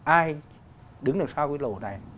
ai đứng đằng sau cái lỗ này